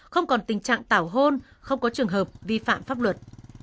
không còn tình trạng tảo hôn không có trường hợp vi phạm pháp luật